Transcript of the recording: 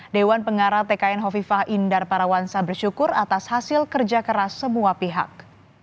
dewan pengarah tkn hovifah indar parawansa bersyukur atas hasil kerja keras semua pihak